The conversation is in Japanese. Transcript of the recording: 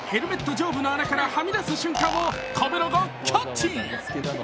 上部の穴からはみ出す瞬間をカメラがキャッチ。